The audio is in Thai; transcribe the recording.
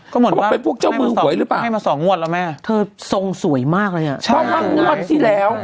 ก็หมดว่าให้มาสองงวดแล้วแม่เธอทรงสวยมากเลยเนี่ย